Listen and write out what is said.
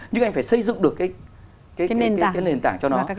nhưng anh phải xây dựng được cái nền tảng cho nó